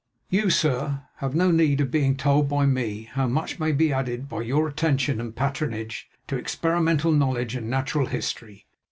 You, Sir, have no need of being told by me, how much may be added by your attention and patronage to experimental knowledge and natural history.